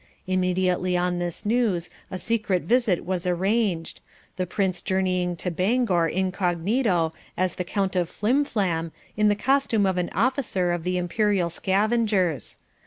Immediately on this news a secret visit was arranged, the Prince journeying to Bangor incognito as the Count of Flim Flam in the costume of an officer of the Imperial Scavengers.